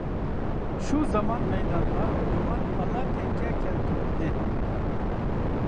شۇ زامان مەيدانغا يوغان ئالا تېكە كەلتۈرۈلدى.